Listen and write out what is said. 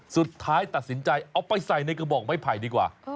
สุดท้ายตัดสินใจเอาไปใส่ในกระบอกไม้ไผ่ดีกว่า